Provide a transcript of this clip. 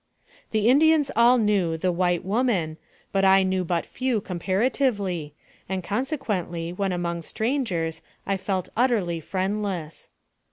The Indians all knew the "white woman," but I knew but few comparatively, and consequently when among strangers I felt utterly friendless.